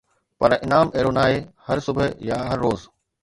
پر انعام اهڙو نه آهي هر صبح يا هر روز